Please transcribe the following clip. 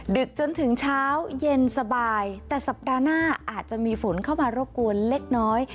ดึกจนถึงเช้าเย็นสบายแต่สัปดาห์หน้าอาจจะมีฝนเข้ามารบกวนเล็กน้อย